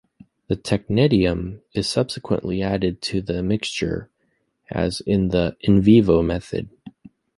The technetium is subsequently added to the mixture as in the "in vivo" method.